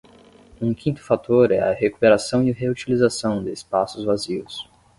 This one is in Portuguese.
Um quinto fator é a recuperação e reutilização de espaços vazios.